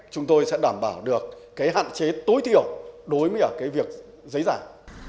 chúng tôi sẽ đảm bảo được hạn chế tối thiểu đối với việc giấy giải